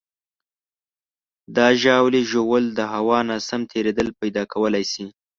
د ژاولې ژوول د هوا ناسم تېرېدل پیدا کولی شي.